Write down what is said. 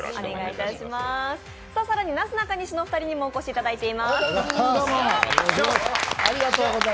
更になすなかにしのお二人にもお越しいただいております。